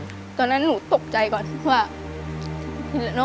ดูว่านั้นหนูตกใจก่อนคือว่า